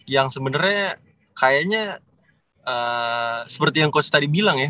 yang sebenarnya kayaknya seperti yang coach tadi bilang ya